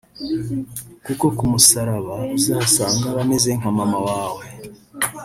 Kuko ku musaraba uzahasanga abameze nka mama wawe